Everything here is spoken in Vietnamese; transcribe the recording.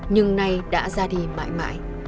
nhưng nay đã ra đi mãi mãi